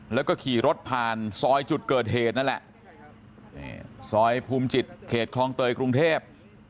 แล้วก็ขี่รถผ่านซอยจุดเกิดเหตุนั่นแหละซอยภูมิจิตเขตคลองเตยกรุงเทพ